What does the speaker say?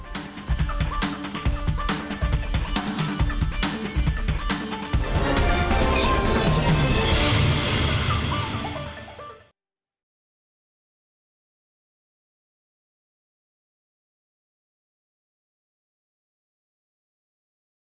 terima kasih bang rey